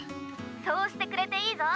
☎そうしてくれていいぞ。